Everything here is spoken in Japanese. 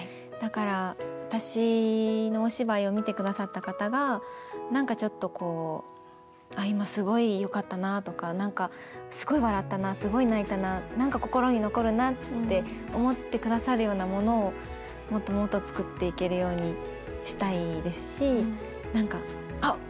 だから私のお芝居を見てくださった方が何かちょっとこうあ今すごいよかったなぁとか何かすごい笑ったなすごい泣いたな何か心に残るなって思ってくださるようなものをもっともっと作っていけるようにしたいですし何かあ！